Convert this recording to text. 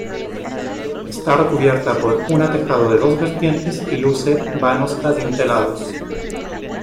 Está recubierta por una tejado de dos vertientes y luce vanos adintelados.